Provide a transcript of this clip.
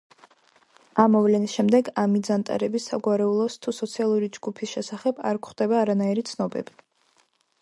ამ მოვლენის შემდეგ ამიძანტარების საგვარეულოს თუ სოციალური ჯგუფის შესახებ არ გვხვდება არანაირი ცნობები.